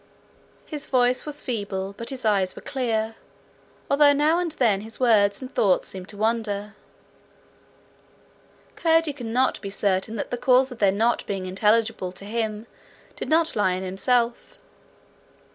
His voice was feeble, but his eye was clear, although now and then his words and thoughts seemed to wander. Curdie could not be certain that the cause of their not being intelligible to him did not lie in himself.